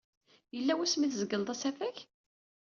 Yella wasmi ay tzegleḍ asafag?